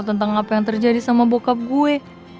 tentang apa yang terjadi sama bokap gue